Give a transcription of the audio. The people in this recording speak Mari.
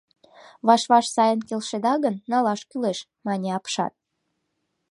— Ваш-ваш сайын келшеда гын, налаш кӱлеш, — мане апшат.